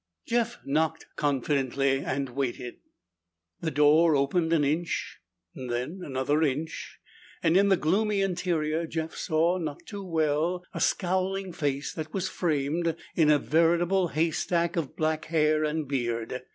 Jeff knocked confidently and waited. The door opened an inch, then another inch, and in the gloomy interior Jeff saw, not too well, a scowling face that was framed in a veritable haystack of black hair and beard.